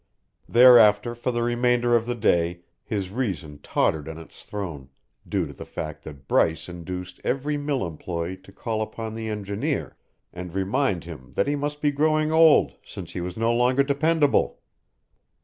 Thereafter for the remainder of the day his reason tottered on its throne, due to the fact that Bryce induced every mill employee to call upon the engineer and remind him that he must be growing old, since he was no longer dependable!